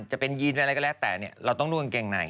จะเป็นยีนเป็นอะไรก็แล้วแต่เราต้องนวดกางเกงใน